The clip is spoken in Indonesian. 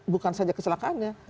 bukan saja kesalahannya